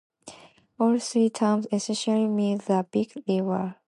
All three terms essentially mean "the big river".